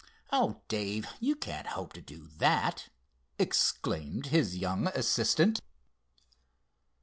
"Oh, Dave, you can't hope to do that!" exclaimed his young assistant.